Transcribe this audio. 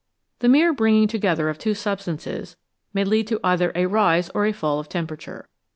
The mere bringing together of two substances may lead to either a rise or a fall of temperature.